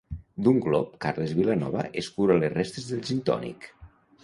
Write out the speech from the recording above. D'un glop Carles Vilanova escura les restes de gintònic.